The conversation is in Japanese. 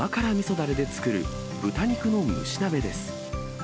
だれで作る豚肉の蒸し鍋です。